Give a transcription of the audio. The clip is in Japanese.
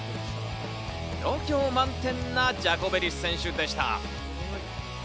度胸満点なジャコベリス選手でした。